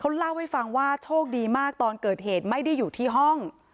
เล่าให้ฟังว่าโชคดีมากตอนเกิดเหตุไม่ได้อยู่ที่ห้อง